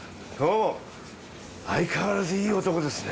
あいかわらずいい男ですね。